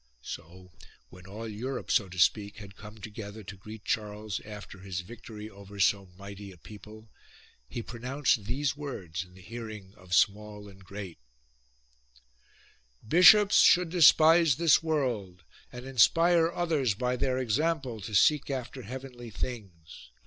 So, when all Europe, so to speak, had come together to greet Charles after his victory over so mighty a people, he pronounced these words in the hearing of small and great :" Bishops should despise this world and in spire others by their example to seek after heavenly things.